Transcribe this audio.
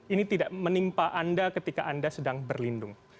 ini tidak menimpa anda ketika anda sedang berlindung